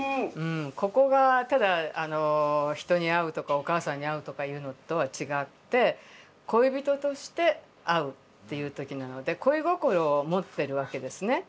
ここがただ人に「会う」とかお母さんに「会う」とかいうのとは違って恋人として「逢う」っていう時なので恋心を持ってるわけですね。